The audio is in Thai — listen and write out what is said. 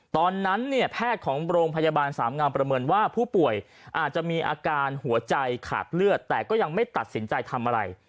ตอนนั้นเนี่ยแพทย์ของโรงพยาบาลสามงามประเมินว่าผู้ป่วยอาจจะมีอาการหัวใจขาดเลือดแต่ก็ยังไม่ตัดสินใจทำอะไร